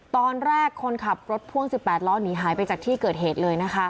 ตอนแรกคนขับรถพ่วง๑๘ล้อหนีหายไปจากที่เกิดเหตุเลยนะคะ